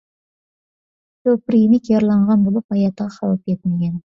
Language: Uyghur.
شوپۇر يېنىك يارىلانغان بولۇپ، ھاياتىغا خەۋپ يەتمىگەن.